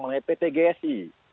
mengenai pt gsi